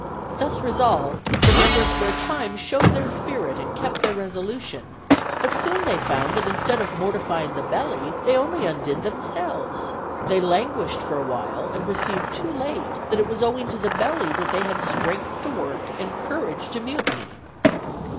Thus resolved, the members for a time showed their spirit and kept their resolution; but soon they found that instead of mortifying the belly they only undid themselves: they languished for a while, and perceived too late that it was owing to the belly that they had strength to work and courage to mutiny."